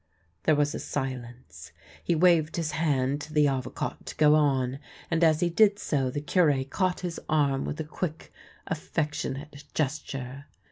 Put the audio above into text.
There was a silence. He waved his hand to the Avocat to go on, and as he did so the Cure caught his arm with a quick, affectionate gesture.